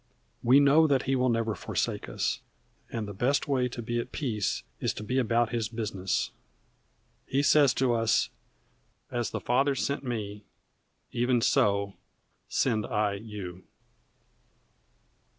We know that He will never forsake us, and the best way to be at peace is to be about His business. He says to us: "As the Father sent me, even so send I you."